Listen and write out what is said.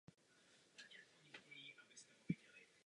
Tehdy jsme měli první problém.